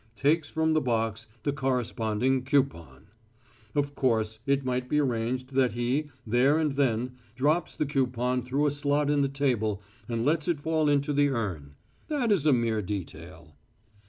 takes from the box the corresponding coupon. Of course, it might be arranged that he, there and then, drops the coupon through a slot in the table and lets it fall into the urn; that is a mere detail.